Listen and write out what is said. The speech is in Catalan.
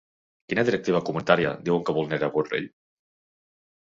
Quina directiva comunitària diuen que vulnera Borrell?